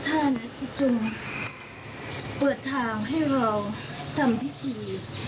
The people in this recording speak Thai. ท่านจึงเปิดทางให้เราทำพิธี